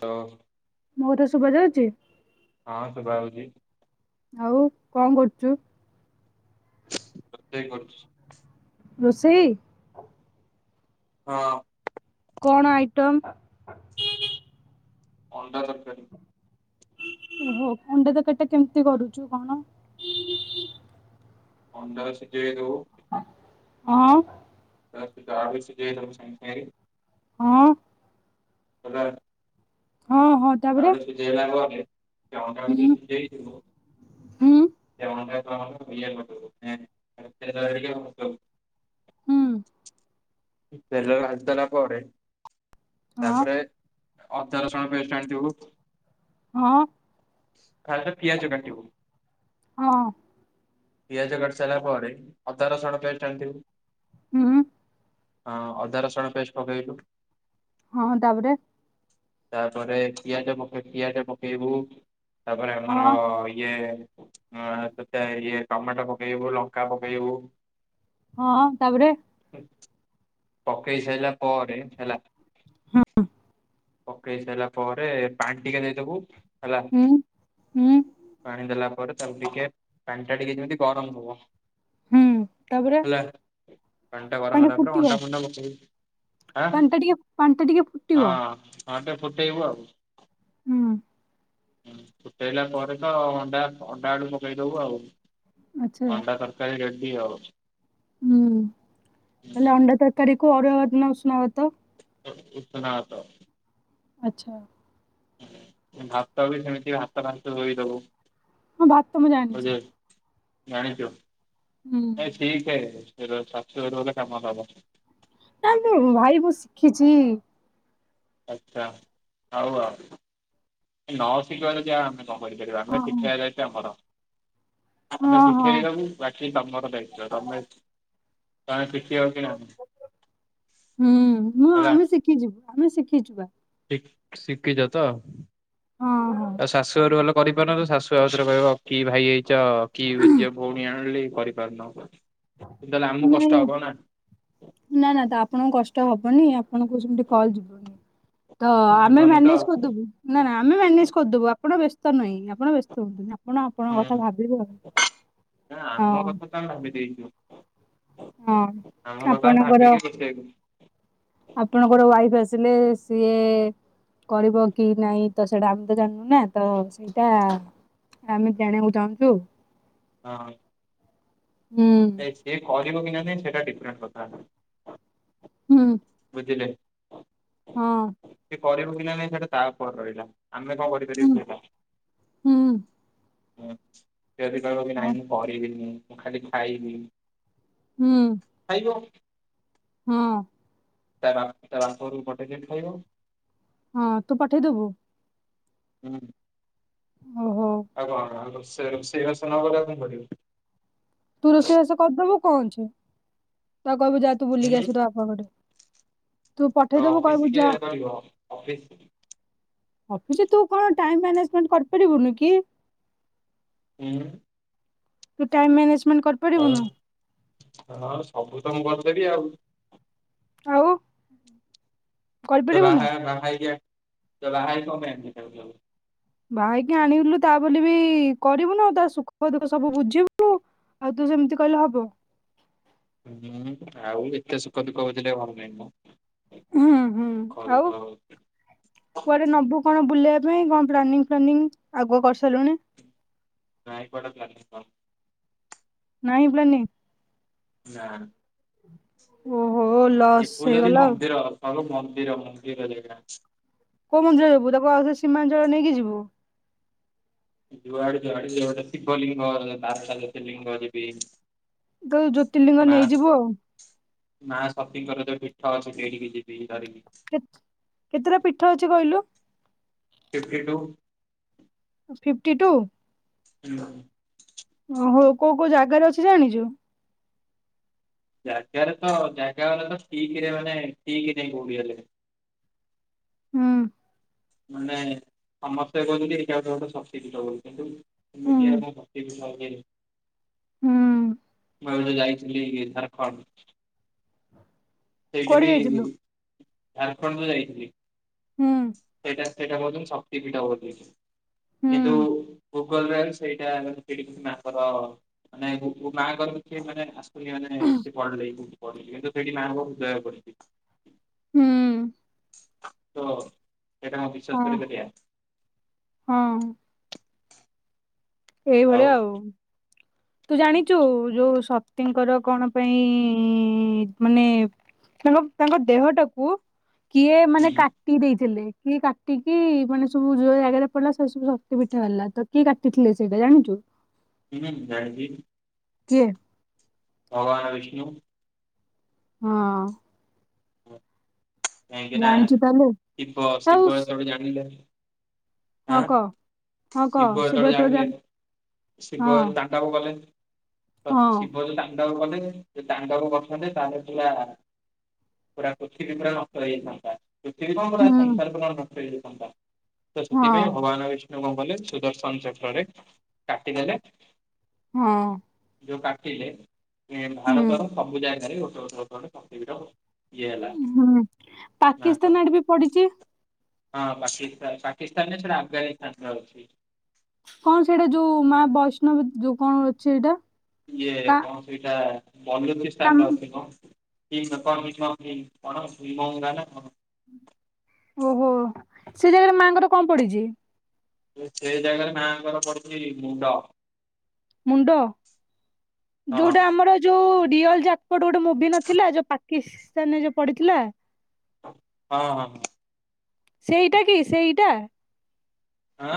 ହଁ। ମୁଁର ଶୁଭା ଯାଉଛି। ହଁ ଶୁଭା ଯାଉଛି। ଆଉ କଣ କରୁଛୁ। ତରକାରୀ କରୁଛି। ରୋଷେଇ। ହଁ। କଣ ଆଇଟମ୍। ଅଣ୍ଡା ତରକାରୀ ଓହୋ ଅଣ୍ଡା ତ ତରକାରୀ କେମିତି କରୁଛୁ କଣ। ଅଣ୍ଡା ଶିଝେଇ ଦବୁ। ହଁ। ତାବି ସିଜେଇ ଦବ ସାଙ୍ଗେ ସାଙ୍ଗେ। ହଁ। [inaudible] ହଁ ହଁ ତାପରେ ଆଉଟିକେ ସିଝେଇ ହେଲା। [inaudible] ସେ ଅଣ୍ଡା କୁ ହୁଁ ସିଝେଇ ଥିବୁ ହୁଁ ସେ ଅଣ୍ଡା କୁ। [unintelligible] ହୁଁ ତେଲରେ ଭାଜି ଦେଲା ପରେ ହଁ ତାପରେ। ଅଦା ରସୁଣ ପେଷ୍ଟ ଆଣିଥିବୁ। ହଁ ଖା ପିଆଜ କାଟିବୁ ହଁ [unintelligible] ପିଆଜ କାଟି ସାରିଲା ପରେ, ଅଦା ରସୁଣ ପିଆଜ ଟ ଆଣିଥିବୁ। ହୁଁ ହଁ ଅଦା ରସୁଣ ପେଷ୍ଟ ପକେଇଲୁ। ହଁ ତାପରେ ତାପରେ ପିଆଜ ମଖେ ପିଆଜ ପକେବୁ। ତାପରେ ଆମର ହଁ ଇଏ [unintelligible] ଇଏ। ଟମାଟୋ ପକେଇବୁ ଲଙ୍କା ପକେଇବୁ। ହଁ ତାପରେ? ପକେଇ ସାରିଲା ପରେ, ହେଲା - ହଁ। ପକେଇ ସାରିଲା ପରେ, ପାଣି ଟିକେ ଦେଇଦବୁ। ହେଲା, ହୁଁ ହୁଁ ପାଣି ଦେଲା ପରେ, ତାକୁ ଟିକେ, ପାଣି ସେଟା ଟିକେ ଯେମିତି ଗରମ ହବ। ହୁଁ ତାପରେ ହେଲା ପାଣିଟା ଗରମ ହେଲାପରେ [inaudible] ପାଣ୍ଟ ଟିକେ ପାଣ୍ଟା ଟିକେ ହଁ ଫୁଟିବ। ହଁ ଟେ ଫୁଟେଇବୁ ଆଉ। ହୁଁ। ହ ଫୁଟେଇଲା ପରେ ତ ଅଣ୍ଡା, ଅଣ୍ଡା ଆଡୁ ପକେଇଦବୁ ଆଉ। ଆଚ୍ଛା ଅଣ୍ଡା ତରକାରୀ ରେଡି ଆଉ। ହୁଁ ହୁଁ, ହେଲା ଅଣ୍ଡା ତରକାରୀକୁ ଅରୁଆ ଭାତ, ନା ଉସୁନାଭାତ? ଉସୁନା ଭାତ। ଆଚ୍ଛା। ଭାତ ବି ସେମିତି ଭାତ ଭାସ ଧୋଇଦବୁ। ହଁ ଭାତ ମୁଁ ଜାଣିଛି। ବୁଝିଲୁ ଜାଣିଛୁ, ହୁଁ। ଏ ଠିକହେ ରୋ ଶାଶୁ ଗରେ କାମ ହବ। [unintelligible] ମୁହୁ ଶିଖିଛି। ଆଛା ହଉ ଆଉ, ନଅ। [inaudible] କଣ କରିପାରିବୁ ହଁ ଆମ ସିଖିଆ [unintelligible] ଆମର। ଆମେ ହଁ ହଁ ଶିଖେଇଦବୁ, ବାକି ତମର ଦାୟିତ୍ବ, ତମେ [unintelligible] ହୁଁ ମୁଁ ହେଲା ଆମେ ଶିଖିଯିବୁ, ଆମେ ଶିଖିଚିବା। ଶିଖିଛ ତ, ହଁ ହଁ ଆଉ ଶାଶୁଘରେ ଗଲେ କରି [unintelligible] ତ ଶାଶୁ ଆଉରେ କହିବ କି ଭାଇ ହେଇଛ, କିଯେ ଭଉଣୀ ଆଣିଲି, କରିପାରୁନୁ। ନାଆ ନାହା ତ ଆପଣଙ୍କୁ କଷ୍ଟ ହ [unintelligible] ଆପଣ କଚ ମିଟ କଲ ଯିବନି। ତ ଆମେ ଯିବନି ତ ମ୍ୟାନେଜ କରିଦବୁ, ନା ଆମେ ମ୍ୟାନେଜ କରିଦବୁ, ଆପଣ ବ୍ୟସ୍ତ ନାହିଁ, ଆପଣ ବ୍ୟସ୍ତ ହୁଅନ୍ତୁ ଆପଣ, ଆପଣଙ୍କ ହୁଁ କଥା ଭାବିବେ ଆଉ, ହଁ। ହଁ ଆମରତ। ଆପଣଙ୍କର [inaudible] ଆପଣଙ୍କର ୱାଇଫ ଆସିଲେ ସିଏ। କରିବ କି ନାଇଁ ତ, ସେଇଟା ଆମେ ତ ଜାଣିନୁ ନା ତ ସେଇଟା। ଆମେ ଜାଣିବାକୁ ଚାହୁଁଛୁ। ହଁ। ହୁଁ। ସେ ସିଏ କରିବକି ନାଇଁ ସେଟା ଡିଫରେଣ୍ଟ କଥା। ହୁଁ। ଜିଲି। [unintelligible] ହଁ। କରିବୁ ପିଲା ନାଇଁ ସେଟା ତା ଉପରେ ରହିଲା, ଆମେ କଣ କରିପାରିବୁ ହୁଁ ସେଇଟା। ହୁଁ ହଁ ସେ ବି କହିବକି ହଁ ନାଇଁ ମୁଁ କରିବିନି, ମୁଁ ଖାଲି ଖାଇବି। ହୁଁ [unintelligible] ହଁ। ତା ବା ତା ବାପ ଘରକୁ ପଠେଇ ଦେନେ ଖାଇବ। ହଁ ତୁ ପଠେଇଦବୁ? ହୁଁ। ଓହୋ ସେ ରୋଷେଇବାଷ କାମଟା ମୁଁ କରିବି। ତୁ ରୋଷେଇବାସ କରିଦବୁ କହୁଚି ତାକୁ କହିବୁ ଯା ତୁ ବୁଲିକି ଆସିବୁ ତ ବପା ଘରେ। ତୁ ତ ପଠେଇଦବୁ ଅଫିସ୍ କହିବୁ ଯା କିଏ କରିବ ଅଫିସ୍ ଅଫିସ୍ ତୁ କଣ ଟାଇମ୍ ମ୍ୟାନେଜମେଣ୍ଟ କରିପାରିବୁନି କି। ହୁଁ। ତୁ ଟାଇମ୍ ମ୍ୟାନେଜ ଆ ହଁ, ସବୁ ତ ମୁଁ କରିଦେବି ଆଉ। ଆଉ। ତ କରିପାରିବୁନୁ ବାହା ବାହା ହେଇ ଆଣି ତ ବାହା ହେଇକି କଣ ପାଇଁ ଆଣିଚି ତାକୁ। ବାହା ହେଇକି ଆଣିଲୁ ତା ବୋଲି ବି କରିବୁନୁ ତା ସୁଖ ଦୁଃଖ ସବୁ ବୁଝିବୁନୁ। ଆଉ ତୁ ସେମିତି କହିଲେ ହବ। ହୁଁ ଆଉ ଏତେ ସୁଖ ଦୁଃଖ ବୁଝିଲ ଭଲ ନାଇ ମ। ହୁଁ ହୁଁ ଆଉ କୁଆଡ଼େ ନବୁ କଣ ବୁଲେଇବା ସେଥିପାଇଁ କଣ ପ୍ଲନିଙ୍ଗ ଫ୍ଲାନିଙ୍ଗ ଆଉ କଣ କରି ନାଇଁ କୁଆଡ଼େ ପ୍ଲାନିଙ୍ଗ କରିନି। ନାହିଁ ପ୍ଲାନିଙ୍ଗ। ନାଁ। ଓହୋ ଲସ୍ ହେଇଗଲା ଆଉ। ହଲୋ ମନ୍ଦିର ମନ୍ଦିର ଜେଗା ଅଛି। କୋଉ ମନ୍ଦିର ଯିବୁ ତାକୁ ଆଉଥରେ ସୀମାଞ୍ଚଳ ନେଇକି ଯିବୁ। ଯୁଆଡ଼େ ଯୁଆଡ଼େ ଥିବ ଶିବ ଲିଙ୍ଗ ବାରଟା ଜ୍ୟୋତିର୍ଲିଙ୍ଗ ଲିଙ୍ଗ ଯିବି। ତ ଜ୍ୟୋତିର୍ଲିଙ୍ଗ ମା ନେଇଯିବୁ ଆଉ। ମା ଶକ୍ତିଙ୍କର ଯୋଉ ପୀଠ ଅଛି ସେଠିକି ଯିବି। ଧରିକି କେତ କେତେଟା ପୀଠ ଅଛି କହିଲୁ। Fifty two. Fifty two. [unintelligible] ଓହୋ କୋଉ କୋଉ ଜାଗାରେ ଅଛି ଜାଣିଚୁ। ଜାଗାରେ ତ ଜାଗା ଗୁଡ଼ାକ ତ ଠିକିରେ ମାନେ ଠିକି ନାହିଁ କୋଉଠି ହେଲେ। ହୁଁ। ମାନେ ସମସ୍ତେ କହୁଛନ୍ତି ଏଇଟା ଗୋଟେ ଶକ୍ତି ପୀଠ ବୋଲି କିନ୍ତୁ ହୁଁ ମିଡିଆରେ କଣ ପକେଇ ଥିଲ ଆଗେ। ହୁଁ। ମୁଁ ଏବେ ଯାଇଥିଲି ଝାଡ଼ଖଣ୍ଡ। ସେଇଠି କୁଆଡେ ବି ଯାଇଥିଲୁ? ଝାଡ଼ଖଣ୍ଡ କୁ ଯାଇଥିଲି। ହୁଁ। ସେଇଟା ସେଇଟା କହୁଛନ୍ତି ଶକ୍ତିପୀଠ ବୋଲି। ହୁଁ କିନ୍ତୁ ଗୁଗଲରେ ସେଇଟା ପ୍ରିଡିଙ୍ଗ୍ ମାଙ୍କର ମାନେ ମାଆଙ୍କର ବି କିଏ ମାନେ ଆସୁି ମାନେ ସେଠି ପଢିଲେଉଠି ପଢିଲି କିନ୍ତୁ ସେଠି ମାଆଙ୍କର ହୃଦୟ ପଡ଼ିଲି ହୁଁ। ତୋ ସେଇଟା କଣ ବିଶ୍ଵାସ ହଁ କରି ପାରିବା। ହଁ ଏଇଭଳିଆ ଆଉ ତୁ ଜାଣିଚୁ ଯୋଉ କୋଉ ଶକ୍ତିଙ୍କର କଣ ପାଇଁ ଇ ମାନେ ତାଙ୍କ ତାଙ୍କ ଦେହଟାକୁ କିଏ ମାନେ ହୁଁ କାଟି ଦେଇଥିଲେ। କିଏ କାଟିକି ମାନେ ସବୁ ଯୋଉ ଜାଗାରେ ପଡିଲା ସେ ସବୁ ଶକ୍ତି ପିଠା ହେଲା ତ କିଏ କାଟିଥିଲେ ସେଇଟା ଜାଣିଛୁ। ହୁଁ ଜାଣିଛି। କିଏ? ଭଗବାନ ବିଷ୍ଣୁ। ହଁ। କାହିଁକି ନା ଜାଣିଛୁ ତାହେଲେ ଆଉ ଶିବ-ଶିବ ଯେତେବେଳେ ଜାଣିଲେ ହଁ ଆଁ କହ ହଁ କହ ଶିବ ଯେତେବେଳେ ତୁ ଜାଣିଲେ ଜାଣ ଶିବ ହଁ ତାଙ୍କ ପାଖକୁ ଗଲେ ତ ହଁ ଶିବ ଯଉ ତା କଲେ ତାଣ୍ଡବ କରିଥାନ୍ତି ତାହେଲେ ପୁରା-ପୁରା ପୃଥିବୀ ପୁରା ନ ନଷ୍ଟ ହେଇଯାଇଥାନ୍ତା ପୃଥିବୀ କଣ ପୁରା ହୁଁ ସଂସାର ପୂରଣ ନଷ୍ଟ ହେଇଥାନ୍ତା ତ ହଁ ସେଥିପାଇଁ ଭଗବାନ ବି କଣ କଲେ ସୁଦର୍ଶନ ଚକରରେ କାଟିଦେଲେ ହଁ। ଯଉ କାଟିଲେ ହୁଁ ଭାରତର ସବୁ ଜାଗାରେ ଗୋଟେ ଗୋଟେ ଗୋଟେ ଶକ୍ତି ପୀଠ ଇଏ ହେଲା। ହୁଁ ନାଙ୍କର ପାକିସ୍ତାନ ଆଡେ ବି ପଡିଛି। ହଁ ପାକିସ୍ତାନ-ପାକିସ୍ତାନରେ ସେଇଟା ଆଫଗାନିସ୍ତାନରେ ଅଛି। କଣ ସେଇଟା ଯୋଉ ମା ବୈଷ୍ଣବି ଯୋଉ କଣ ଅଛି ସେଇଟା ଇଏ କା କଣ ସେଇଟା ବଲନ୍ଦ୍ରୀ ସ୍ଥାନରେ କାମ ଅଛି କଣ? [unintelligible] ଓହୋ ସେ ଜାଗାରେ ମାଙ୍କର କଣ ପଡିଛି? ସେ ଜାଗାରେ ମାଆଙ୍କର ପଡୁଛି ମୁଣ୍ଡ। ମୁଣ୍ଡ ଯୋଉଟା ଆମର ଯୋଉ ବିୟଲ ଯାକପଟ ଗୋଟେ ମୁଭି ନଥିଲା ଯୋଉ ପାକିସ୍ତାନରେ ଯୋଉ ପଡିଥିଲା। ହଁ-ହଁ। ସେଇଟା କି ସେଇଟା। ଆଁ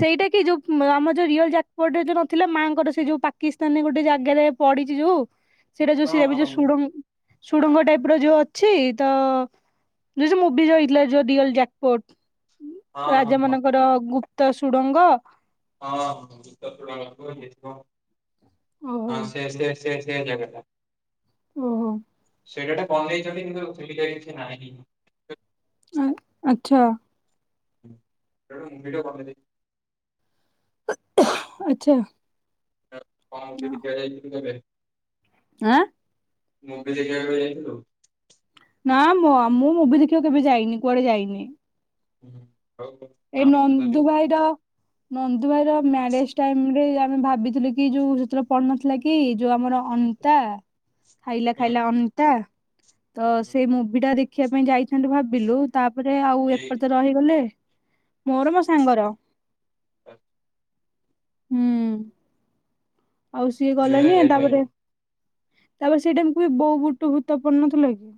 ସେଇଟା କି ଯୋଉ ଆମ ଯୋଉ ରିଅଲ ଯାକପରେ ଯୋଉ ନଥିଲା ମାଆଙ୍କର ସେ ଯୋଉ ପାକିସ୍ତାନରେ ଗୋଟେ ଜାଗାରେ ପଡିଛି ଯୋଉ ସେଇଟା ଯୋଉ ସ ହଁ ହଁ ଯୋଉ ସୁଡ଼ଙ୍ଗ ସୁଡଙ୍ଗ ଟାଇପ ର ଯୋଉ ଅଛି ତ ଯୁ ମୁଭିି ଯା ହୋଇଥିଲା ଯୋ ରିଅଲ ଜ୍ୟାକପୋର୍ଟ। ହଁ ହଁ ରାଜା ହଁ ମାନଙ୍କର ଗୁପ୍ତ ସୁଡ଼ଙ୍ଗ। ହଁ-ହ ଗୁପ୍ତ ସୁଡ଼ଙ୍ଗ ଓହୋ ସେ-ସେ-ସେ ସେ ଜାଗାଟା। ଓହୋ। ସେଇଟାଟା ବନେଇଛନ୍ତି କିନ୍ତୁ ସେମିତିଆ କିଛି ନାହିଁ। ଆ-ଆଚ୍ଛା। ଏଇଟା ଗୋଟେ ମୁଭିଟେ ବନେଇ ଦେ ଆଚ୍ଛା। କଣ ଦିଆଯାଇଥ [unintelligible] ଆଁ ମୁଭି ଦେଖିବାକୁ ଯାଇଥିଲୁ। ନା ମୋ ମୁଁ ମୁଭି ଦେଖିବା କେବେ ଯାଇନି କୁଆଡେ ଯାଇନି। ହୁଁ। ଆଉ ଏଇ ସ୍ୱାମୀ ସହିତ ନନ୍ଦୁ ଯିବୁ। ଭାଇ ର ନନ୍ଦୁ ଭାଇ ର ମ୍ୟାରେଜ ଟାଇମ ରେ ଆମେ ଭାବିଥିଲୁ କି ଯୋଉ ସେତେବେଳେ ପଢୁନଥିଲା କି ଯୋଉ ଆମର ଅନ୍ତା ହୁଁ ଖାଇଲା-ଖାଇଲା ଅନ୍ତା଼। ତ ହୁଁ। ସେଇ ମୁଭି ଟା ଦେଖିବା ପାଇଁ ଯାଇଛନ୍ତି ଭାବିଲୁ ତାପରେ ଆଉ ଠିକ୍। ଏପଟ ତ ରହିଗଲେ। ମୋର ମୋ ସାଙ୍ଗର। ହ [inaudible] ହୁଁ ଆଉ ସିଏ ସେଥିପାଇଁ ଗଲଣିି ତାପରେ ଯାଇପାରିଲୁନି। ତାପରେ ସେଇ ଟାମକୁ ବୋଉ ବୁଟୁ ଭୁତ ପଡିନଥିଲା କି?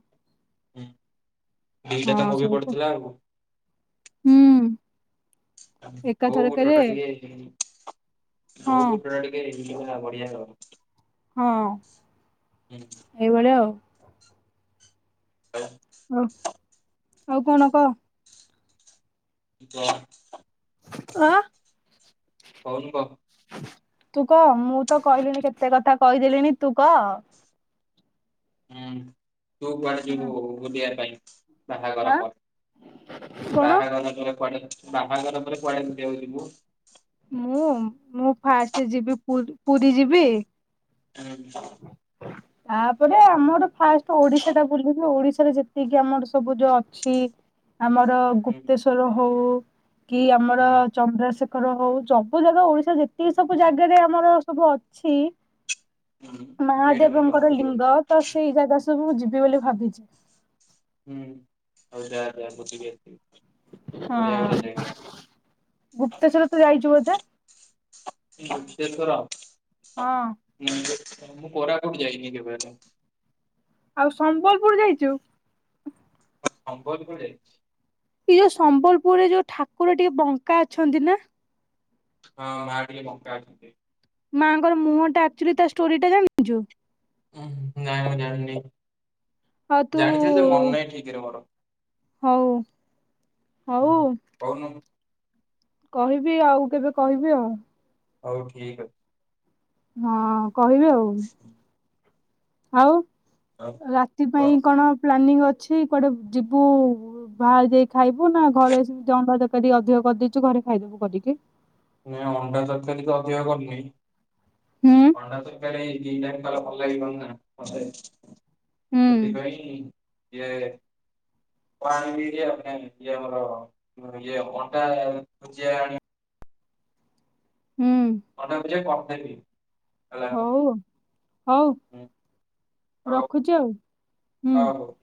ଦିଟା ହଁ ତ ମୁଭି ସେଇତ ପଡିଥିଲା ଆଉ। ହୁଁ। ବୋଉଟ ଏକାଥରକରେ ଟା ଟିକେ [unintelligible] ହଁ ବୋଉଟ ଟା ଟିକେ [unintelligible] ବଢିଆ ର ହଁ ଏଇଭଳିଆ ଆଉ। [unintelligible] ହ, ଆଉ କଣ କହ? ଜନ୍। ଆ, କହୁନୁ କହ। ତୁକ ମୁଁ ତ କହିଲିଣି କେତେ କଥା କହିଦେଲିଣି। ତୁ କ ହୁଁ ତୁ କୁଆଡେ ଯିବୁ-ଉ ବୁଲିବା ପାଇଁ? ବାହାଘର ଆଁ ପରେ କଣ ବାହାଘର ପରେ କୁଆଡେ? ବାହାଘର ପରେ କୁଆଡେ ବୁଲିବାକୁ ଯିବୁ? ମୁଁ ମୁଁ ଫାଷ୍ଟ ଯିବି ପୁ-ପୁରୀ ଯିବି। [unintelligible] ତାପରେ ଆମର ଫାଷ୍ଟ ଓଡିଶା ଟା ବୁଲିବୁ। ଓଡିଶା ରେ ଯେତିକି ଆମର ସବୁ ଯୋଉ ଅଛି, ଆମର ହୁଁ ଗୁପ୍ତେଶ୍ଵର ହଉ କି ଆମର ହୁଁ। ଚନ୍ଦ୍ରଶେଖର ହଉ ଜବୁ ଜାଗା ଓଡିଶା ଯେତିକି ସବୁ ଜାଗାରେ ଆମର ସବୁ ଅଛି। ହୁଁ ସେଇଟା ମେଟ ମହାଦେବଙ୍କର କମ୍ପ୍ଲିଟ କଲି ଲିଙ୍ଗ ତ ସେଇ ଯାଗା ସ ସବୁ ଯିବି ବୋଲି ଭାବିଛି। ହୁଁ ହଉ ଯା ଯା ବୁଲିକି ଆସିବୁ। ହଁ ବଢିଆ ବଢିଆ ଜାଗା ଗୁପ୍ତେଶ୍ୱର ତୁ ଯାଇଛୁ ବୋଧେ? ଗୁପ୍ତେଶ୍ୱର ହଁ ନିଯେ। ମୁଁ କୋରାପୁଟ ଯାଇନି କେବେ ହେଲେ। ଆଉ ସମ୍ବଲପୁର ଯାଇଚୁ? ସମ୍ବଲପୁର ଯାଇଛି। ଏଇ ଯୋଉ ସମ୍ବଲପୁରରେ ଯୋଉ ଠାକୁର ଟିକେ ବଙ୍କା ଅଛନ୍ତି ନା! ହଁ ମାଆ ଟିକେ ବଙ୍କା ଅଛନ୍ତି। ମାଆଙ୍କର ମୁହଁ ଟା ଆକ୍ଚୁଲି ତା ଷ୍ଟୋରି ଟା ଜାଣିଛୁ? ଉଁ ନାଇଁ ମୁଁ ଜାଣିନି। ଆଉ ତୁ ଜାଣିଛି ଯେ ମନ ନାଇଁ ଠିକ୍ ରେ ମୋର। ହଉ। ହଉ ହୁଁ କହୁନୁ। କହିବି ଆଉ କେବେ କହିବି ଆଉ। ହଉ ଠିକ୍ ଅଚ୍। ହଁ କହିବି ଆଉ। ଆଉ ଆଉ ରାତି କହ। ପାଇଁ କଣ ପ୍ଲାନିଂ ଅଛି କୁଆଡେ ଯିବୁ-ଉ? ବାହାରେ ଯାଇ ଖାଇବୁ ନା ଘରେ ଜଣ୍ଡା ତରକାରି ଅଧିକ କରିଦେଇଛୁ ଘରେ ଖାଇଦବୁ କଦିକି? ନା ଅଣ୍ଡା ତରକାରୀ ତ ଅଧିକ କରିନି, ହୁଁ ଅଣ୍ଡା ତରକାରୀ ଇଟା ଖରେ ଭଲ ଲାଗିଥାନ୍ତା ନା ମତେ ହୁଁ ସେଥିପାଇଁ-ଇଁ ୟେ ପାଣି ପିଏ [unintelligible] ଇଏ ଆମର ଇଏ ଅଣ୍ଡା ଭୁଜିଆ ଆଣି ହୁଁ ମୁଁ ଯେ କଥା ବି ହେବି। ହଉ ଉ ହଉ। ହୁଁ। ହଉ ରଖୁଛି ଆଉ ହୁଁ। ହଉ ହଉ।